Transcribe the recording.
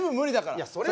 いやそれはさ。